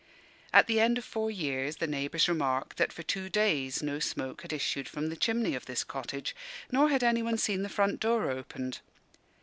At the end of four years, the neighbours remarked that for two days no smoke had issued from the chimney of this cottage, nor had anyone seen the front door opened.